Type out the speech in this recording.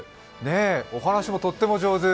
お話もとっても上手。